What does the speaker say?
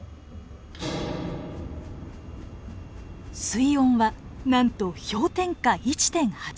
水温はなんと氷点下１．８度。